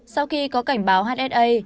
sau khi có cảnh báo hsa